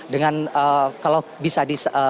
dengan kalau bisa